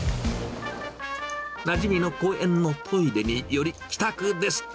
なじみの公園のトイレに寄り、帰宅です。